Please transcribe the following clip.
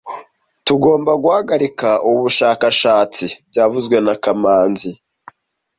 Tugomba guhagarika ubu bushakashatsi byavuzwe na kamanzi